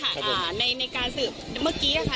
ท่านไอ้คะในการสืบเมื่อกี้ล่ะค่ะ